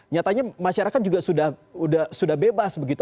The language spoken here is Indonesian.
nyatanya masyarakat juga sudah bebas begitu